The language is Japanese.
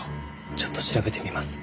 ちょっと調べてみます。